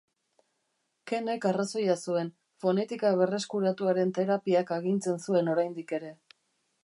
Kenek arrazoia zuen, fonetika berreskuratuaren terapiak agintzen zuen oraindik ere.